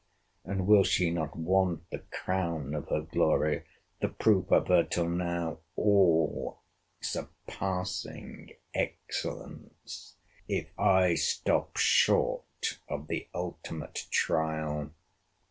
And will she not want the crown of her glory, the proof of her till now all surpassing excellence, if I stop short of the ultimate trial?